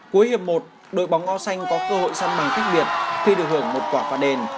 cuối hiệp một đội bóng ngo xanh có cơ hội săn bằng cách biệt khi được hưởng một quả phá đền